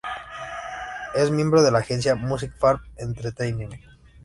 Es miembro de la agencia "Music Farm Entertainment".